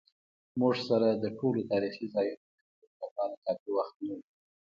موږ سره د ټولو تاریخي ځایونو د لیدو لپاره کافي وخت نه و.